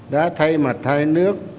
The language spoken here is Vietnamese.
đã thay mặt hai nước